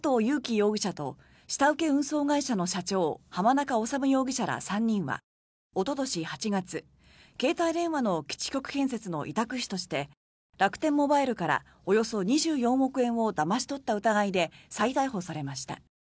容疑者と下請け運送会社の社長濱中治容疑者ら３人はおととし８月、携帯電話の基地局建設の委託費として楽天モバイルからおよそ２４億円をだまし取った疑いで再逮捕されました。